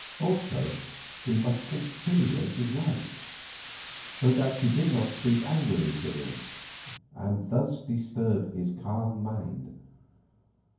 Also he must conciliate his wife, so that she did not speak angrily to him, and thus disturb his calm of mind.